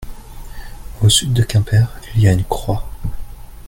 Au sud de Quimper il y a une croix.